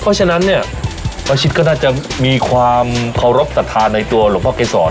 เพราะฉะนั้นเนี่ยป้าชิดก็น่าจะมีความเคารพสัทธาในตัวหลวงพ่อเกษร